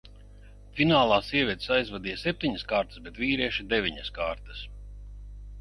Finālā sievietes aizvadīja septiņas kārtas, bet vīrieši – deviņas kārtas.